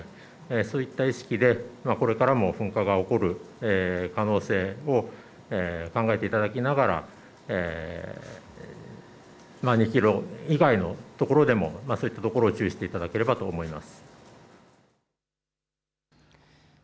そういった意識でこれからも噴火が起こる可能性を考えていただきながら２キロ以外のところでもそういったところを注意していただければと思います。